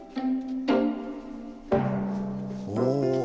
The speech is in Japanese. お。